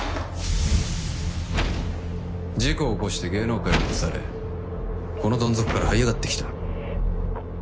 事故を起こして芸能界をほされこのどん底からはい上がってきた